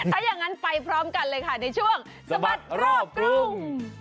แล้วยังงั้นไปพร้อมกันเลยค่ะในช่วงสมัครรอบกลุ่ม